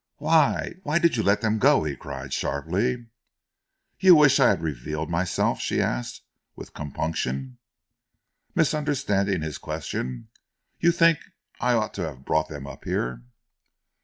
"Why why did you let them go?" he cried sharply. "You wish I had revealed myself?" she asked with compunction, misunderstanding his question. "You think I ought to have brought them up here?"